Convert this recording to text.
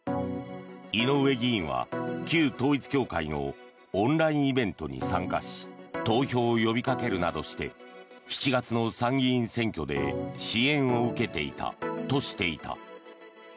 井上議員は、旧統一教会のオンラインイベントに参加し投票を呼びかけるなどして７月の参議院選挙で支援を受けていたとしていた。